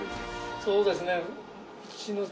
そうですね。